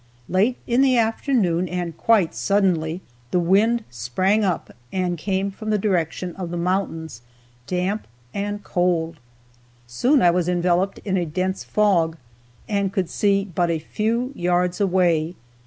Late in the afternoon, and quite suddenly, the wind sprang up and came directly from the mountains, damp and cold. Soon I was enveloped in a dense fog, and could see but a few yards away.